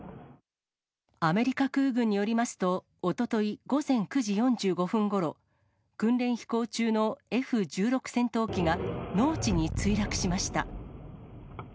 アメリカ空軍によりますと、おととい午前９時４５分ごろ、訓練飛行中のＦ１６戦闘機が、農地に墜落しました。